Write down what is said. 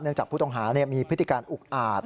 จากผู้ต้องหามีพฤติการอุกอาจ